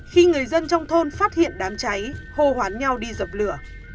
khi người dân trong thôn phát hiện đám cháy hô hoán nhau đi dập lửa